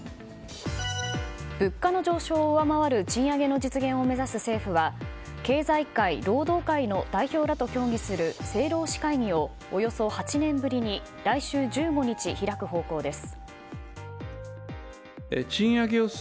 物価の上昇を上回る賃上げの実現を目指す政府は経済界、労働界の代表らと協議する政労使会議をおよそ８年ぶりに来週１５日、開く方向です。